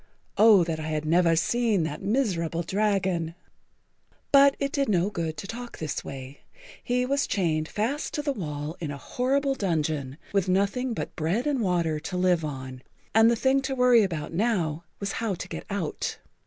Oh, that I had never seen that miserable dragon!" But it did no good to talk this way. He was chained fast to the wall in a horrible dungeon, with nothing but bread and water to live on, and the thing to worry about now was how to get out.